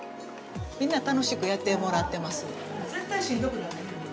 みんな楽しくやってもらってます。